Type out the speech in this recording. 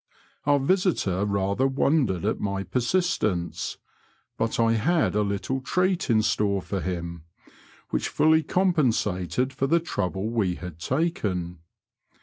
Our visitor rather wondered at my persistence, but I had a little treat in store for him, which folly compensated for the trouble we had taken.